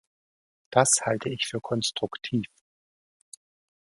Das halte ich für konstruktiv.